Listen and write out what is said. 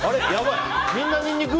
みんなニンニク？